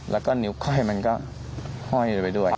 แล้วก็นิ้วค่อยมันก็ห้อยไปด้วย